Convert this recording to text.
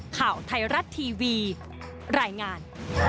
ข่าวไทยรัฐทีวีรายงาน